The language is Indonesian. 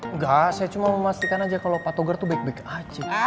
enggak saya cuma memastikan aja kalau pak togar itu baik baik aja